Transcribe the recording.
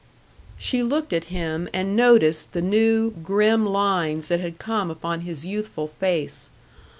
She looked at him, and noticed the new, grim lines that had come upon his youthful face.